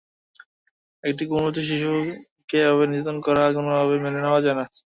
একটি কোমলমতি শিশুকে এভাবে নির্যাতন করা কোনোভাবেই মেনে নেওয়া যায় না।